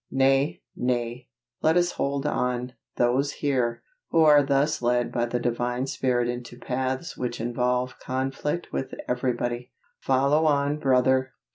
Nay, nay; let us hold on, those here, who are thus led by the Divine Spirit into paths which involve conflict with everybody. Follow on, brother!